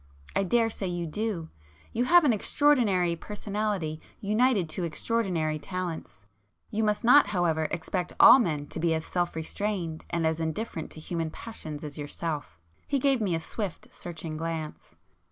I daresay you do; you have an extraordinary personality united to extraordinary talents; you must not however expect all men to be as self restrained and as indifferent to human passions as yourself." He gave me a swift, searching glance.